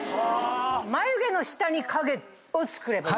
眉毛の下に影を作ればいい？